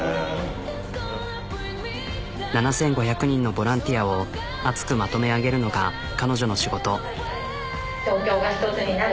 ７、５００人のボランティアを熱くまとめ上げるのが彼女の仕事。